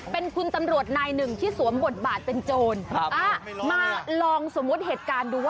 เป็นคุณตำรวจนายหนึ่งที่สวมบทบาทเป็นโจร